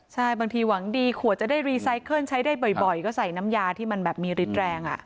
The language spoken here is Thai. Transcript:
ใช่บางทีหวังดีขวดจะได้รีไซเคิลใช้ได้บ่อยก็ใส่น้ำยาที่มันแบบมีฤทธิแรง